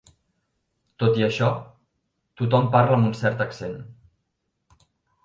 Tot i això, tothom parla amb un cert accent.